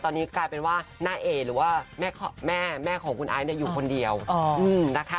ตอนนี้กลายเป็นว่าน้าเอหรือว่าแม่ของคุณไอซ์อยู่คนเดียวนะคะ